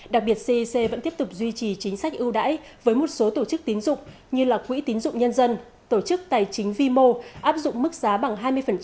đặc biệt cec vẫn tiếp tục duy trì chính sách ưu đãi với một số tổ chức tín dụng như quỹ tín dụng nhân dân tổ chức tài chính vi mô áp dụng mức giá bằng hai mươi